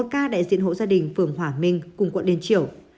một ca đại diện hộ gia đình phường hỏa minh cùng quận liên triểu